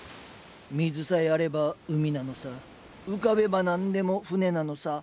「水さえあれば海なのさ浮かべば何でも舟なのさ」だ！